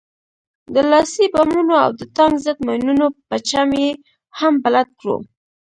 د لاسي بمونو او د ټانک ضد ماينونو په چم يې هم بلد کړو.